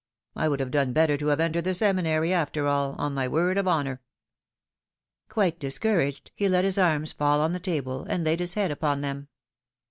I would have done better to have entered the Seminary, after all, on my word of honor 1 Quite discouraged, he let his arms fall on the table, and laid his head upon them.